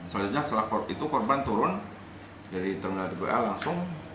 selanjutnya setelah itu korban turun dari terminal tpa langsung